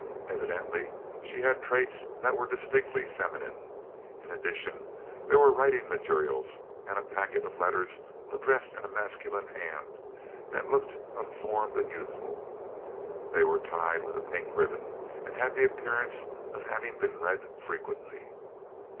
Evidently she had traits that were distinctly feminine. In addition, there were writing materials and a packet of letters addressed in a masculine hand that looked unformed and youthful. They were tied with a pink ribbon, and had the appearance of having been read frequently.